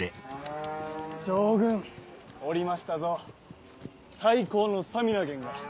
将軍おりましたぞ最高のスタミナ源が。